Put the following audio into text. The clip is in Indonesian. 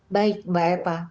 baik mbak eva